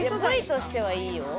Ｖとしてはいいよ。